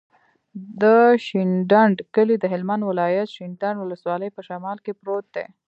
د شینډنډ کلی د هلمند ولایت، شینډنډ ولسوالي په شمال کې پروت دی.